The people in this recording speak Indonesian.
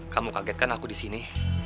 kamu kaget kan aku di sini